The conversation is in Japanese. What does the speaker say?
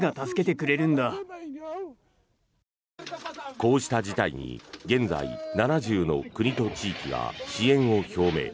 こうした事態に現在、７０の国と地域が支援を表明。